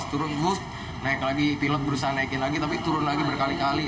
seperti jet roposter gitu turun bus naik lagi pilot berusaha naikin lagi tapi turun lagi berkali kali